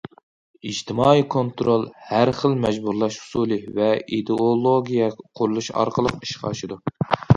ئىجتىمائىي كونترول ھەر خىل مەجبۇرلاش ئۇسۇلى ۋە ئىدېئولوگىيە قۇرۇلۇشى ئارقىلىق ئىشقا ئاشىدۇ.